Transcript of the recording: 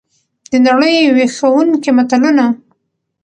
دنړۍ ویښوونکي متلونه!